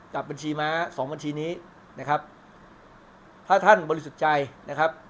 กับบัญชีม้าสองบัญชีนี้นะครับถ้าท่านบริสุทธิ์ใจนะครับ